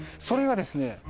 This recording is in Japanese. それがですね